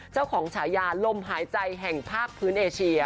เจ้าของชะยารมหายใจแห่งภาคพื้นเอเชีย